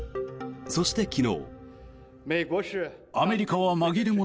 そして、昨日。